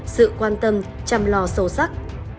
sự quan tâm chăm lo sâu sắc